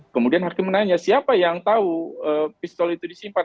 kemudian hakim menanya siapa yang tahu pistol itu disimpan